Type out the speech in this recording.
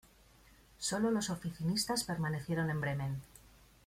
Solo los oficinistas permanecieron en Bremen.